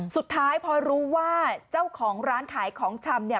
สุดท้ายพอรู้ว่าเจ้าของร้านขายของชำเนี่ย